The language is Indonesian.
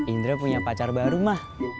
indra punya pacar baru mah